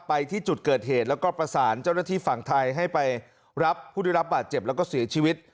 ไปที่จุดเกิดเหตุแล้วก็ประสานเจ้าหน้าที่ฝั่งไทยให้ไปรับผู้ได้รับบาดเจ็บแล้วก็เสียชีวิต